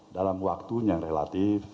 dalam waktunya yang relatif